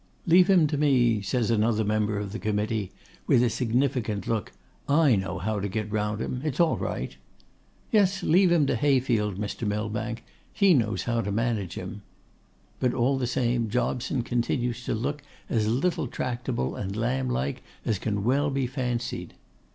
'Leave him to me,' says another member of the committee, with a significant look. 'I know how to get round him. It's all right.' 'Yes, leave him to Hayfield, Mr. Millbank; he knows how to manage him.' But all the same, Jobson continues to look as little tractable and lamb like as can be well fancied.